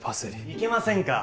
いけませんか？